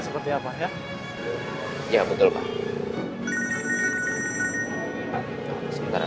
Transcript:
saya ingin melihat apakah kejadian itu sebenarnya seperti apa